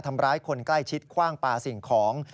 ทำร้ายคนใกล้ชิดคว่างปลาสิ่งของ